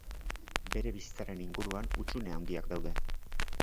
Bere bizitzaren inguruan hutsune handiak daude.